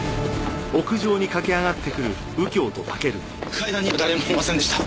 階段にも誰もいませんでした。